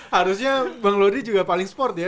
harusnya bang lodri juga paling sport ya